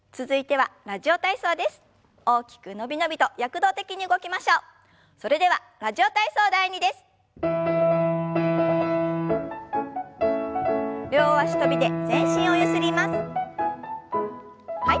はい。